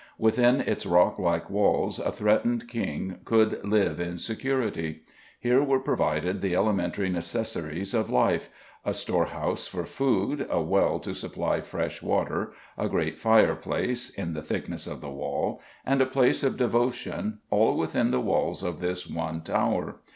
Within its rock like walls a threatened king could live in security. Here were provided the elementary necessaries of life a storehouse for food, a well to supply fresh water, a great fireplace (in the thickness of the wall), and a place of devotion, all within the walls of this one tower.